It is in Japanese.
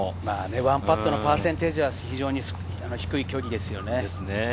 １パットのパーセンテージは非常に低い距離ですよね。